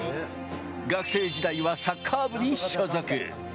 学生時代はサッカー部に所属。